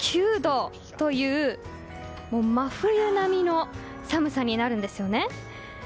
９度という真冬並みの寒さになるんですよね。